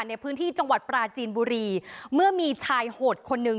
ในพื้นที่จังหวัดปราจีนบุรีเมื่อมีชายโหดคนหนึ่ง